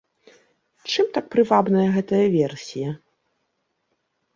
Чым так прывабная гэтая версія?